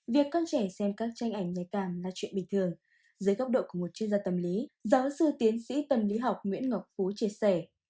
việc con trẻ xem các tranh ảnh nhạy cảm là chuyện bình thường dưới góc độ của một chuyên gia tầm lý giáo sư tiến sĩ tầm lý học nguyễn ngọc phú chia sẻ